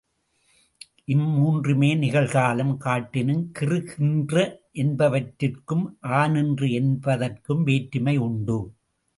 இம் மூன்றுமே நிகழ்காலம் காட்டினும், கிறு கின்று என்பவற்றிற்கும் ஆநின்று என்பதற்கும் வேற்றுமை உண்டு.